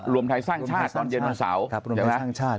รวมไทยสร้างชาติตอนเย็นวันเสาร์เห็นไหมครับรวมไทยสร้างชาติ